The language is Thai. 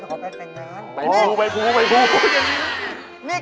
จะขอแพทย์แต่งงานพี่